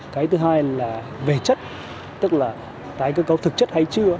cái thứ hai là về chất tức là tái cơ cấu thực chất hay chưa